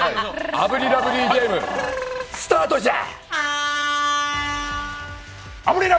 炙りラブリーゲーム、スタートじゃ！